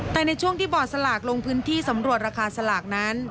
แต่ในช่วงที่บอร์ดสลากลงพื้นที่สำรวจราคาสลากนั้น